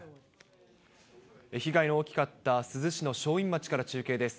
被害の大きかった珠洲市の正院町から中継です。